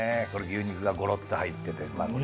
牛肉がゴロッと入ってて。